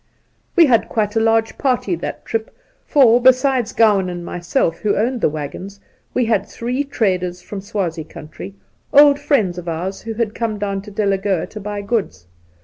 We had quite a large party that trip, for, besides Gowan and myself, who owned the waggons, we had three traders from Swazie country — old friends of ours who had come down to Delagoa to buy goods.